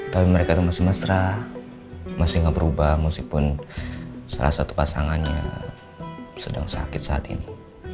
tapi mereka itu masih mesra masih nggak berubah meskipun salah satu pasangannya sedang sakit saat ini